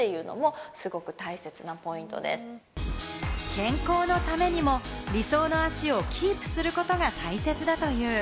健康のためにも、理想の脚をキープすることが大切だという。